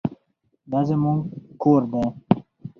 دا زموږ کور دی.